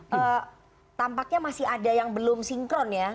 hmm tampaknya masih ada yang belum sinkron ya